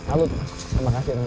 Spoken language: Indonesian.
alut terima kasih